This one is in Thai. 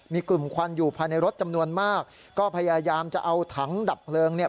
มีกลุ่มควันอยู่ภายในรถจำนวนมากก็พยายามจะเอาถังดับเพลิงเนี่ย